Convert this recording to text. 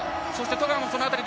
十川もその辺り。